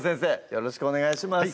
よろしくお願いします